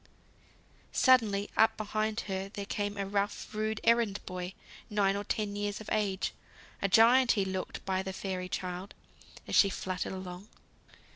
Suddenly up behind her there came a rough, rude errand boy, nine or ten years of age; a giant he looked by the fairy child, as she fluttered along.